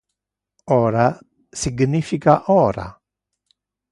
Ora significa ora.